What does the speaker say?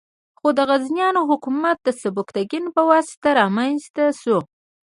خو غزنویان حکومت د سبکتګین په واسطه رامنځته شو.